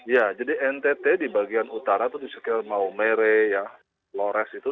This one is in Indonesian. ya jadi ntt di bagian utara itu disekir sekir mau mere ya lores itu